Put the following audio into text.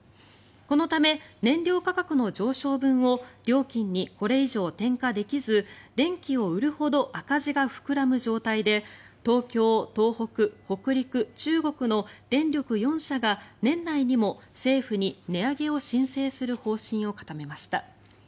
このため燃料価格の上昇分を料金にこれ以上転嫁できず電気を売るほど赤字が膨らむ状態で東京、東北、北陸、中国の電力４社が年内にも政府に値上げを申請する方針を固めました。